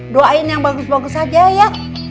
doain yang bagus bagus saja ya